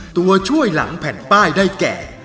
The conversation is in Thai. ตัวช่วยหลังแผ่นป้ายได้แก่